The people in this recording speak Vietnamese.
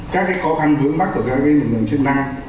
các khó khăn vướng mắt của các lực lượng chức năng